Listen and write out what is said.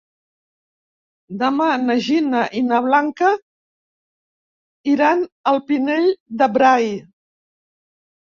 Demà na Gina i na Blanca iran al Pinell de Brai.